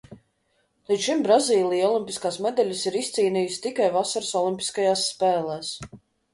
Līdz šim Brazīlija olimpiskās medaļas ir izcīnījusi tikai vasaras olimpiskajās spēlēs.